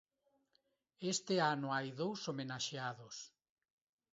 Este ano hai dous homenaxeados.